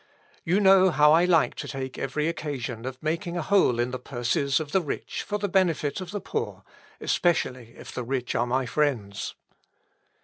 You know how I like to take every occasion of making a hole in the purses of the rich for the benefit of the poor, especially if the rich are my friends."